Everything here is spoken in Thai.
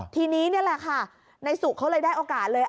ทีนี้นี่แหละค่ะนายสุเขาเลยได้โอกาสเลย